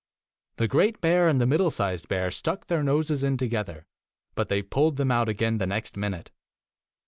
The great bear and the middle sized bear stuck their noses in together, but they pulled them out again the next minute.